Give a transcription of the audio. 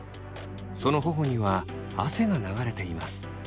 その頬には汗が流れています。